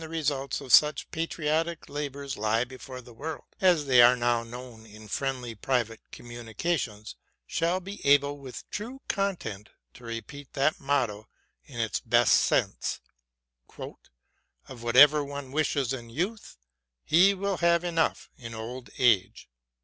323 results of such patriotic labors lie before the world, as they are now known in friendly private communications, shall be able, with true content, to repeat that motto in its best sense, ''Of whatever one wishes in youth, he will have enough in old age.